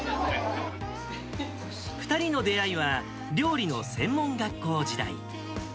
２人の出会いは、料理の専門学校時代。